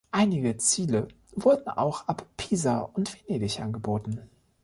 Einige Ziele wurden auch ab Pisa und Venedig angeboten.